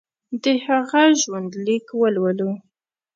د هغه ژوندلیک ولولو.